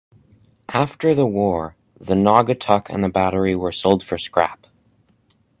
After the war, the Naugatuck and the Battery were sold for scrap.